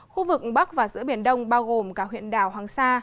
khu vực bắc và giữa biển đông bao gồm cả huyện đảo hoàng sa